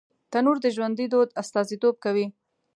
تنور د ژوندي دود استازیتوب کوي